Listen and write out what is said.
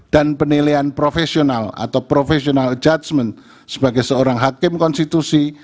dan penilaian profesional atau professional judgement sebagai seorang hakim konstitusi